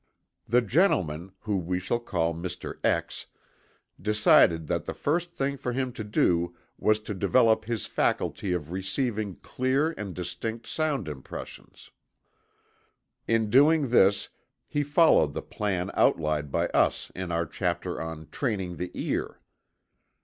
The gentleman, whom we shall call "Mr. X.," decided that the first thing for him to do was to develop his faculty of receiving clear and distinct sound impressions. In doing this he followed the plan outlined by us in our chapter on "Training the Ear."